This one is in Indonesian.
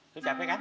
lo capek kan